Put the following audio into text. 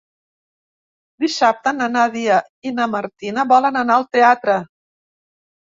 Dissabte na Nàdia i na Martina volen anar al teatre.